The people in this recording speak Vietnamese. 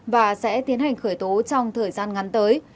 và sẽ tiến hành khởi tố trong thời gian ngắn tới